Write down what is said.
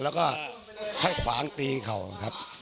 แล้วก็ให้ขวางตีเขาครับ